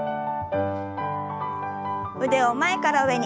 腕を前から上に。